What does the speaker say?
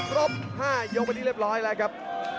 ครบ๕ยกเป็นที่เรียบร้อยแล้วครับ